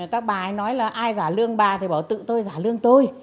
các bà ấy nói là ai giả lương bà thì bảo tự tôi giả lương tôi